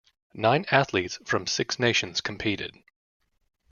Nine athletes from six nations competed.